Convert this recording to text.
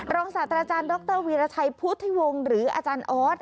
ศาสตราจารย์ดรวีรชัยพุทธิวงศ์หรืออาจารย์ออส